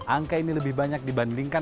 angka ini lebih banyak dibandingkan